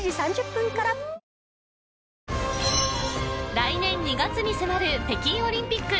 来年２月に迫る北京オリンピック